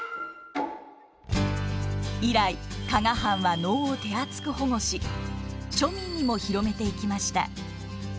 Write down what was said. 以来加賀藩は能を手厚く保護し庶民にも広めていきました。